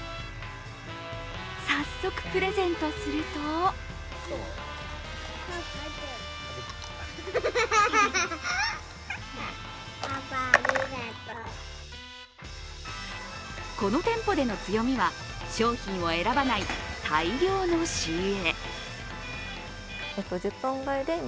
早速プレゼントするとこの店舗での強みは商品を選ばない大量の仕入れ。